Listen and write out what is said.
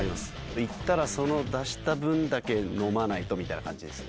行ったら、その出した分だけ飲まないとみたいな感じですね。